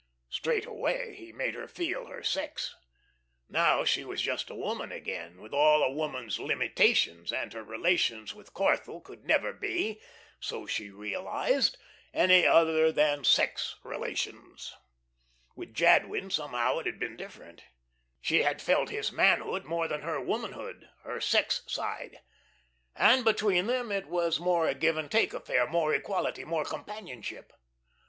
Straightway he made her feel her sex. Now she was just a woman again, with all a woman's limitations, and her relations with Corthell could never be so she realised any other than sex relations. With Jadwin somehow it had been different. She had felt his manhood more than her womanhood, her sex side. And between them it was more a give and take affair, more equality, more companionship.